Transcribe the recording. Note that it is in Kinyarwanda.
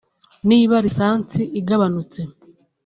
“Niba lisansi igabanutse